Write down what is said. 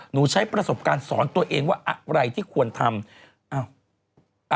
ใช้ประสบการณ์สอนตัวเองว่าอะไรที่ควรทำ